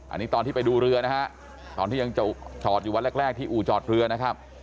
อันนี้ตอนที่ไปดูเรือนะฮะตอนที่ยังจอดอยู่วันแรกที่อู่จอดเรือนะครับ